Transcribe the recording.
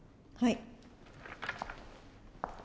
はい。